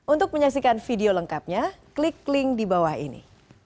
untuk menyaksikan video lengkapnya klik link di bawah ini